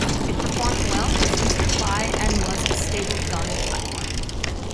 It performed well, was easy to fly and was a stable gun platform.